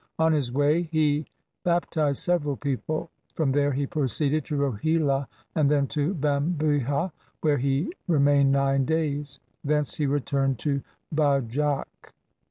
On his way he baptized several people. From there he proceeded to Rohila and then to Bambiha, where he remained nine days. Thence he returned to Bajak.